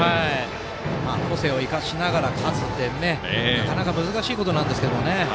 個性を生かしながら勝つってなかなか難しいことですけどね。